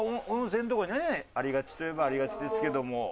温泉とかでねありがちといえばありがちですけども。